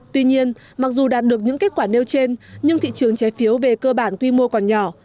tuy nhiên mặc dù đạt được những kết quả nêu trên nhưng thị trường trái phiếu về cơ bản quy mô còn nhỏ